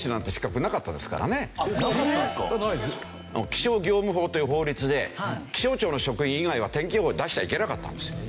気象業務法という法律で気象庁の職員以外は天気予報出しちゃいけなかったんですよ。